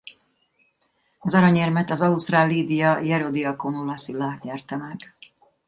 Az aranyérmet az ausztrál Lydia Ierodiaconou-Lassila nyerte meg.